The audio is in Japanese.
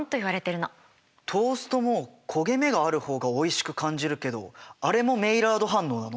トーストも焦げ目がある方がおいしく感じるけどあれもメイラード反応なの？